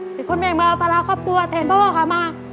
ให้คนแบ่งเบาภาระครอบครัวเท่าไหร่โบสถ์ก็ขอมา